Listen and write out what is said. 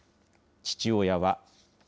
父親は。